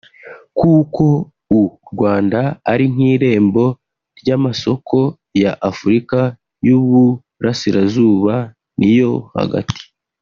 kuko u Rwanda ari nk’irembo ry’amasoko ya Afurika y’Uburasirazuba n’iyo hagati